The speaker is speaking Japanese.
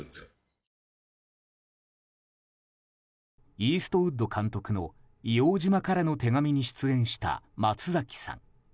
イーストウッド監督の「硫黄島からの手紙」に出演した松崎さん。